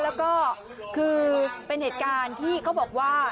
แล้วก็คือเป็นเหตุการณ์ที่เขาบอกว่า